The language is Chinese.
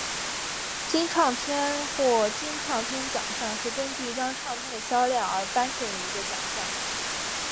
金唱片或金唱片奖项是根据一张唱片的销量而颁授的一个奖项。